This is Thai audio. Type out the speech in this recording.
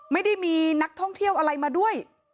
ไม่ได้มีนักท่องเที่ยวอะไรมาด้วย